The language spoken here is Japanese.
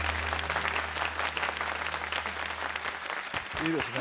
いいですね。